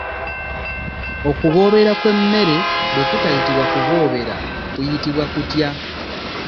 Okuboobera kw'emmere bwe kutayitibwa kuboobera, kuyitibwa kutya?